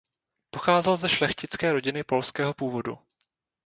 Pocházel ze šlechtické rodiny polského původu.